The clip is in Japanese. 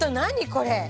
これ。